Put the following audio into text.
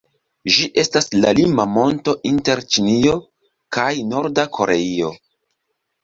Ĝi estas la lima monto inter Ĉinio kaj Norda Koreio.